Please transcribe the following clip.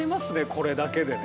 これだけでね。